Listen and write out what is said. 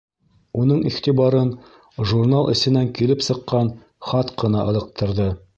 Уның иғтибарын журнал эсенән килеп сыҡҡан хат ҡына ылыҡтырҙы.